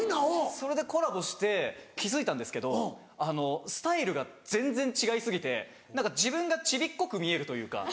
それでコラボして気付いたんですけどスタイルが全然違い過ぎて自分がチビっこく見えるというか。